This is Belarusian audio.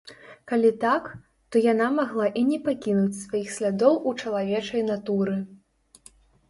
Калі так, то яна магла і не пакінуць сваіх слядоў у чалавечай натуры.